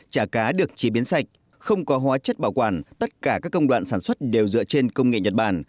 chả cá được chế biến sạch không có hóa chất bảo quản tất cả các công đoạn sản xuất đều dựa trên công nghệ nhật bản